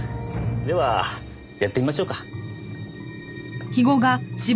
ではやってみましょうか。